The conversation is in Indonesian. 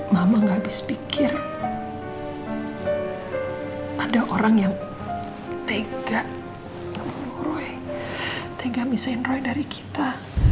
mama gak bisa pikir ada orang yang tega ngeburui tega bisa ngeroi dari kita